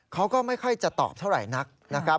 เขาก็ไม่ค่อยจะตอบเท่าไหร่นักนะครับ